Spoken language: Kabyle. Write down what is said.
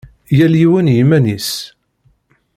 Yal yiwen i yiman-is.